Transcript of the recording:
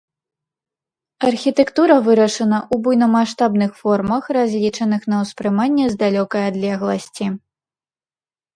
Архітэктура вырашана ў буйнамаштабных формах, разлічаных на ўспрыманне з далёкай адлегласці.